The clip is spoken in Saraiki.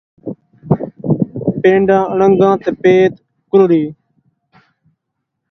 پینڈا اڑانگا تے پیت کللڑی